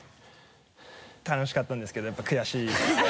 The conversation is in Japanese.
楽しかったんですけどやっぱり悔しいですね。